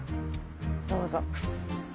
どうぞ。